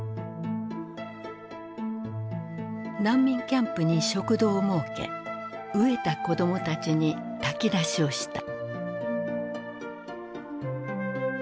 難民キャンプに食堂を設け飢えた子どもたちに炊き出しをした。